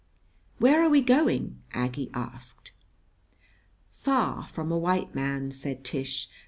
"Where are we going?" Aggie asked. "Far from a white man," said Tish.